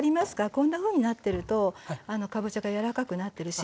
こんなふうになってるとかぼちゃが柔らかくなってるしるしです。